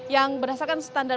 yang berdasarkan standar